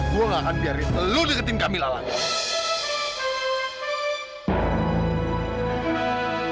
gua gak akan biarin lo deketin camilla lagi